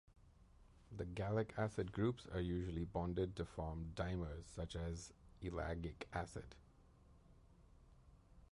The gallic acid groups are usually bonded to form dimers such as ellagic acid.